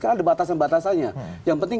karena ada batasan batasannya yang penting